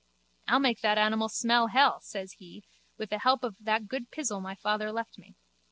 I'll make that animal smell hell, says he, with the help of that good pizzle my father left me.